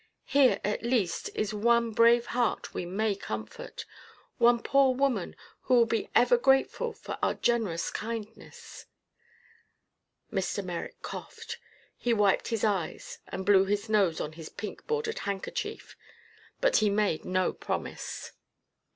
Here, at least, is one brave heart we may comfort, one poor woman who will be ever grateful for our generous kindness." Mr. Merrick coughed. He wiped his eyes and blew his nose on his pink bordered handkerchief. But he made no promise.